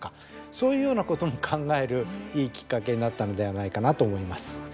そういうようなことも考えるいいきっかけになったのではないかなと思います。